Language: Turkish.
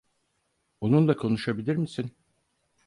Onunla konuşabilir misin?